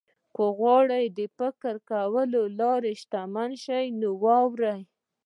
که غواړئ د فکر کولو له لارې شتمن شئ نو واورئ.